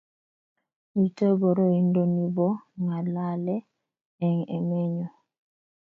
mito boroindo nibo ng'alale eng' emenyo